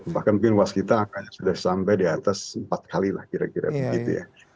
bahkan mungkin waskita angkanya sudah sampai di atas empat kali lah kira kira begitu ya